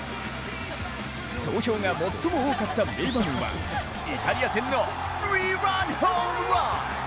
投票が最も多かった名場面はイタリア戦のスリーランホームラン。